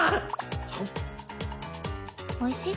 おいしい？